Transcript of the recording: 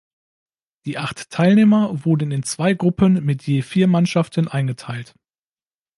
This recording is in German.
Die acht Teilnehmer wurden in zwei Gruppen mit je vier Mannschaften eingeteilt.